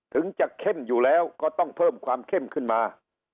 ถึงจะเข้มอยู่แล้วก็ต้องเพิ่มความเข้มขึ้นมา